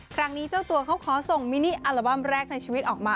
ครั้งนี้เจ้าตัวเขาขอส่งมินิอัลบั้มแรกในชีวิตออกมา